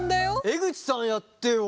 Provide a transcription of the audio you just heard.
江口さんやってよ。